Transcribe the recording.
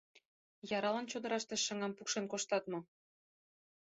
Яралан чодыраште шыҥам пукшен коштат мо?